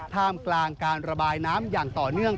ท่ามกลางการระบายน้ำอย่างต่อเนื่อง